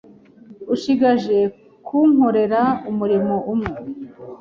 Ushigaje kunkorera umurimo umwe